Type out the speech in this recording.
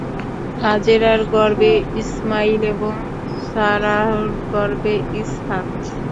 হাজেরার গর্ভে ইসমাঈল এবং সারাহর গর্ভে ইসহাক।